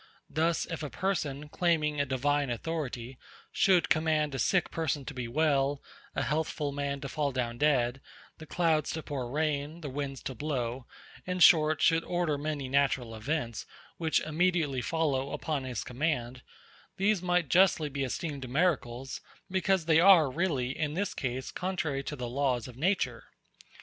Thus if a person, claiming a divine authority, should command a sick person to be well, a healthful man to fall down dead, the clouds to pour rain, the winds to blow, in short, should order many natural events, which immediately follow upon his command; these might justly be esteemed miracles, because they are really, in this case, contrary to the laws of nature.